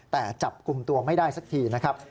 แต่จับกลุ่มตัวไม่ได้สักทีนะครับ